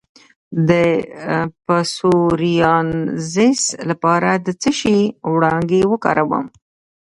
د پسوریازیس لپاره د څه شي وړانګې وکاروم؟